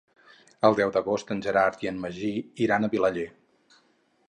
El deu d'agost en Gerard i en Magí iran a Vilaller.